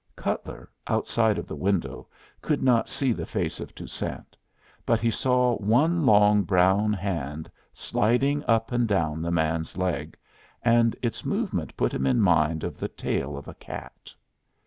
Cutler, outside of the window, could not see the face of Toussaint, but he saw one long brown hand sliding up and down the man's leg, and its movement put him in mind of the tail of a cat.